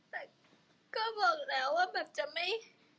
แต่ก็บอกแล้วว่าแบบจะไม่